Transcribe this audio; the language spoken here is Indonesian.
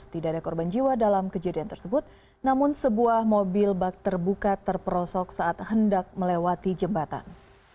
tidak ada korban jiwa dalam kejadian tersebut namun sebuah mobil bak terbuka terperosok saat hendak melewati jembatan